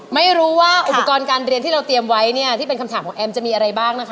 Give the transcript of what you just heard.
ไม่รู้ว่าอุปกรณ์การเรียนที่เราเตรียมไว้เนี่ยที่เป็นคำถามของแอมจะมีอะไรบ้างนะคะ